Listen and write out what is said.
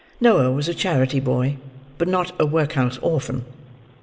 Noah was a charity boy, but not a workhouse orphan.